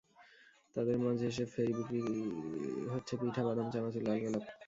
তাঁদের মাঝে এসে ফেরি করে বিক্রি হচ্ছে পিঠা, বাদাম, চানাচুর, লাল গোলাপ।